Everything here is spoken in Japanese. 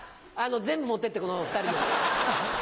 全部持ってってこの２人の。